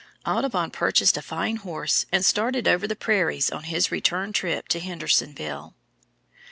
Audubon purchased a fine horse and started over the prairies on his return trip to Hendersonville.